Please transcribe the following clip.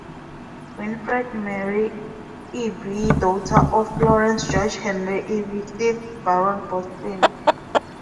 Winifred Mary Irby, daughter of Florance George Henry Irby, fifth Baron Boston.